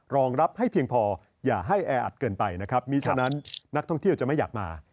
รองรับให้เพียงพออย่าให้แออัดเกินไปนะครับมีฉะนั้นนักท่องเที่ยวจะไม่อยากมา